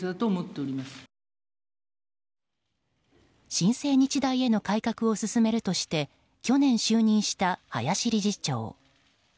新生日大への改革を進めるとして去年、就任した林理事長。